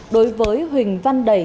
đối với huỳnh văn đầy